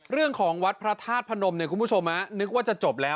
เรื่องของวัดพระธาตุพนมเนี่ยคุณผู้ชมนึกว่าจะจบแล้ว